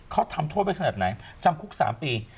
เขาทำโทษไว้ขนาดไหนจำคุก๓ปี